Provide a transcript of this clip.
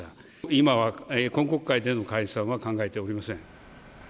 今は、今国会での解散は考えておりません。